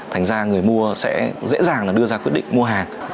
thành ra người mua sẽ dễ dàng đưa ra quyết định mua hàng